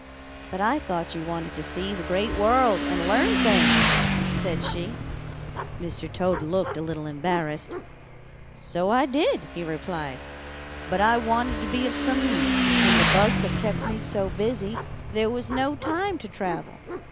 "'But I thought you wanted to see the Great World and learn things,' said she. "Mr. Toad looked a little embarrassed. 'So I did,' he replied, 'but I wanted to be of some use, and the bugs have kept me so busy there was no time to travel.